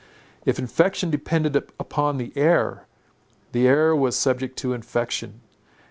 If infection depended upon the air, the air was subject to infection.